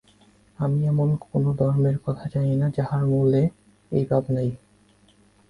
আমি এমন কোন ধর্মের কথা জানি না, যাহার মূলে এই ভাব নাই।